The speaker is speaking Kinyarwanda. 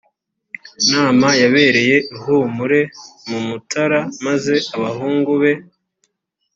nama yabereye i humure mu mutara maze abahungu be